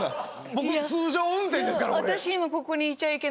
僕通常運転ですからこれ。